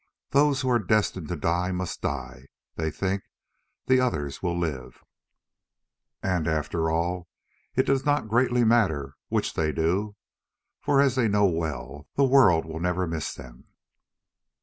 Those who are destined to die must die, they think, the others will live. And, after all, it does not greatly matter which they do, for, as they know well, the world will never miss them.